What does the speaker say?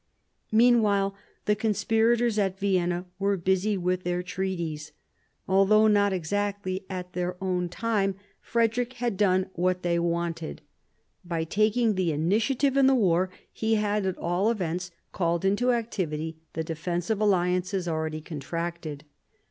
Meanwhile the conspirators at Vienna were busy with their treaties. Although not exactly at their own time, Frederick had done what they wanted. By taking the initiative in the war, he had, at all events, called into activity the defensive alliances already contracted.